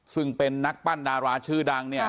ซึ่งเป็นนักปั้นดาราชื่อดังเนี่ย